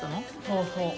そうそう。